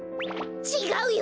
ちがうよ！